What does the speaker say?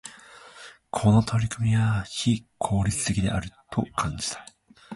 この取り組みは、非効率的であると感じた。